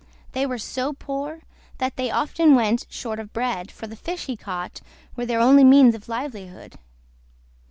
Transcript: They were so poor that they often went short of bread, for the fish he caught were their only means of livelihood.